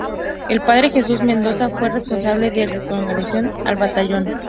El padre Jesús Mendoza fue responsable de reorganizar al batallón.